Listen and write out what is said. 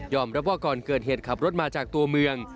รับว่าก่อนเกิดเหตุขับรถมาจากตัวเมือง